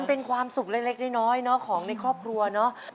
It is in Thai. เป็นความสุขเล็กน้อยเนาะของในครอบครัวเนาะ